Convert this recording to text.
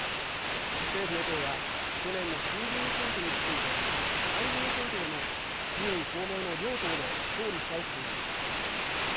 政府・与党は去年の衆議院選挙に続いて参議院選挙でも自民・公明の両党で勝利したい考えです。